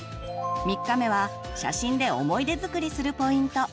３日目は写真で思い出づくりするポイント。